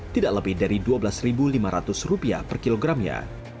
tidak lebih dari rp dua belas lima ratus per kilogramnya